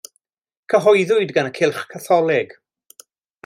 Cyhoeddwyd gan y Cylch Catholig.